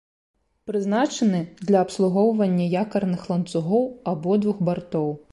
Прызначаны для абслугоўвання якарных ланцугоў абодвух бартоў.